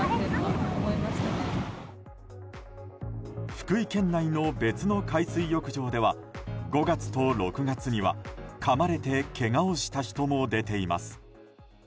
福井県内の別の海水浴場では５月と６月にはかまれてけがをした人も出ています。